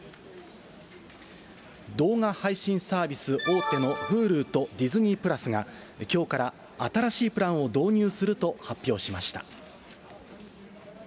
動画配信サービス大手のＨｕｌｕとディズニープラスが、きょうから新しいプランを導入すると発表しました。